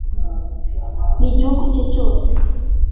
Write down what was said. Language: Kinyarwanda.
n'igihugu cye cyose